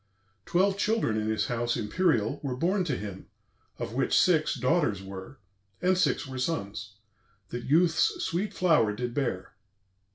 Twelve children in his house imperial Were born to him; of which six daughters were, And six were sons, that youth's sweet flower did bear.